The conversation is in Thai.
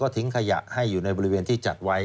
ทิ้งขยะให้อยู่ในบริเวณที่จัดไว้